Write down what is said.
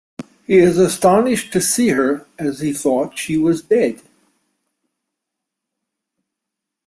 He is astonished to see her, as he thought she was dead.